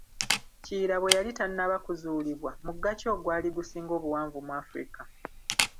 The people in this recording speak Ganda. "Kiyira bwe yali tannaba kuzuulibwa, mugga ki ogwali gusinga obuwanvu mu Afrika?"